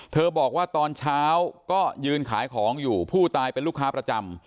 บอกว่าตอนเช้าก็ยืนขายของอยู่ผู้ตายเป็นลูกค้าประจำ